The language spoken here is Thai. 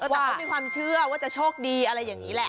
แต่เขามีความเชื่อว่าจะโชคดีอะไรอย่างนี้แหละ